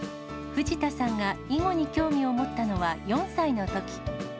藤田さんが囲碁に興味を持ったのは、４歳のとき。